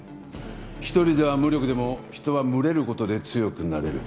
一人では無力でも人は群れる事で強くなれる。